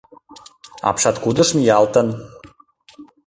— Апшаткудыш миялтын.